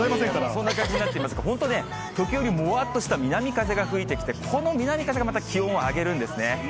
そんな感じになってますが、本当ね、時折、もわーっとした南風が吹いてきて、この南風がまた気温を上げるんですね。